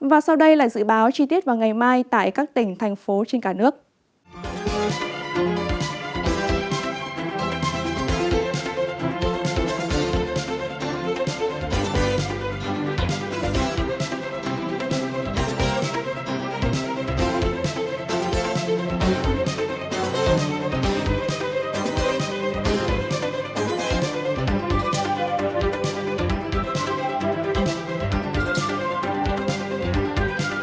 và sau đây là dự báo chi tiết vào ngày mai tại các tỉnh thành phố trên cả nước